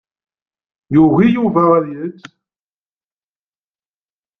Yugi Yuba ad yečč.